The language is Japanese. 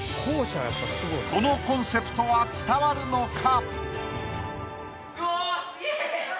このコンセプトは伝わるのか？